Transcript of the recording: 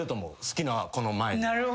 好きな子の前。